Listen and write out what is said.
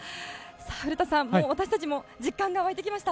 古田さん、私たちも実感が沸いてきました。